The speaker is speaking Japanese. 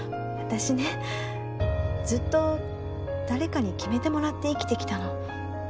私ねずっと誰かに決めてもらって生きてきたの。